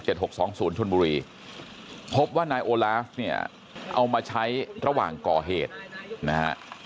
หกสองศูนย์ชนบุรีพบว่านายโอลาฟเนี่ยเอามาใช้ระหว่างก่อเหตุนะฮะ